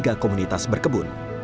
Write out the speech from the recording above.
dan juga komunitas berkebun